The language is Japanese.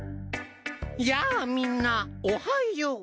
やあみんなおはよう。